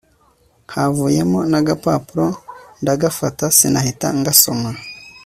havuyemo nagapapuro ndagafata sinahita ngasoma